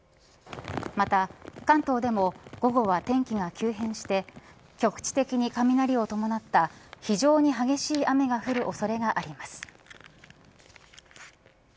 また関東でも午後は天気が急変して局地的に雷を伴った非常に激しい雨が降る恐れがあります。